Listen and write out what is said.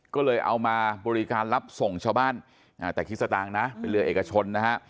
ก็เลยเอามาบริการรับส่งชาวบ้านแต่คิดสตางค์นะเป็นเรือเอกชนนะฮะ